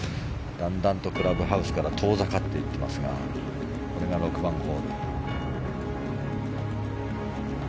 だんだんとクラブハウスから遠ざかっていってますがこれが６番ホール。